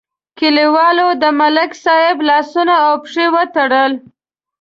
کلیوالو د ملک صاحب لاسونه او پښې وتړل.